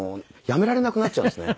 やめられなくなっちゃうんですね。